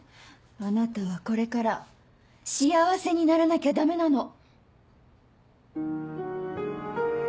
あなたはこれから幸せにならなきゃダメなの！